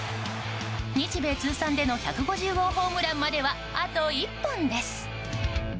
日米通算での１５０号ホームランまではあと１本です。